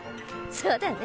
そうだね。